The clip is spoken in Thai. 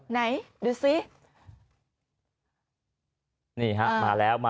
ไม่รู้สึกว่าดูซิ